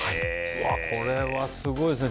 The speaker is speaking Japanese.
これはすごいですね。